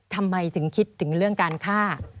ทำไมถึงคิดถึงเรื่องการฆ่า